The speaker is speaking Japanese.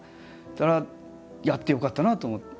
だからやってよかったなと思って。